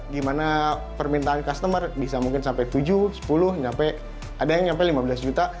gimana permintaan customer bisa mungkin sampai tujuh sepuluh sampai ada yang sampai lima belas juta